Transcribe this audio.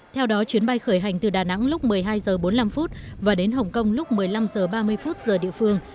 theo đó chuyến bay khởi hành từ đà nẵng lúc một mươi hai h bốn mươi năm và đến hồng kông lúc một mươi năm h ba mươi giờ địa phương